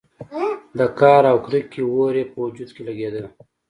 د قهر او کرکې اور يې په وجود کې لګېده.